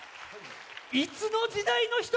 いつの時代の人？